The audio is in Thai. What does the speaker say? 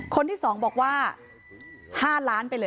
คนที่๒บอกว่า๕ล้านไปเลย